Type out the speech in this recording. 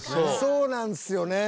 そうなんですよね。